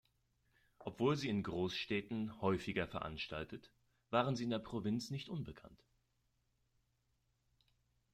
Obwohl sie in Großstädten häufiger veranstaltet, waren sie in der Provinz nicht unbekannt.